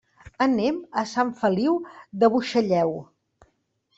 Anem a Sant Feliu de Buixalleu.